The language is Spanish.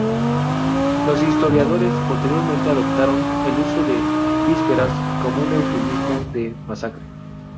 Los historiadores posteriores adoptaron el uso de "vísperas" como eufemismo de "masacre".